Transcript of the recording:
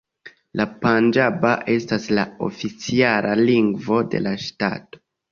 La panĝaba estas la oficiala lingvo de la ŝtato.